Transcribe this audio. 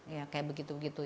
ya kayak begitu begitu